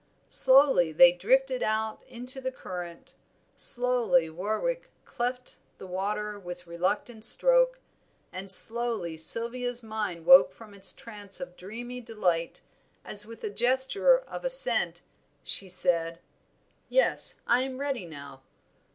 Slowly they drifted out into the current, slowly Warwick cleft the water with reluctant stroke, and slowly Sylvia's mind woke from its trance of dreamy delight, as with a gesture of assent she said "Yes, I am ready now.